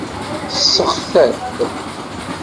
Tesseɣta-t.